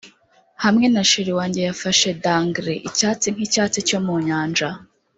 hamwe na cheri wanjye yafashe dangler icyatsi nkicyatsi cyo mu nyanja